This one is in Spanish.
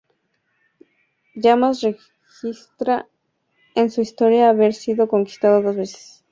Lamas registra en su historia haber sido conquistada dos veces.